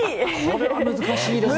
これは難しいですね。